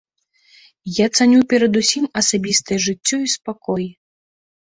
Я цаню перадусім асабістае жыццё і спакой.